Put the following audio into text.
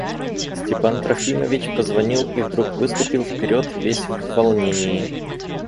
Степан Трофимович позвонил и вдруг выступил вперед, весь в волнении.